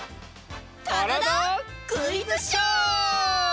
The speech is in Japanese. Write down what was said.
「からだ☆クイズショー」！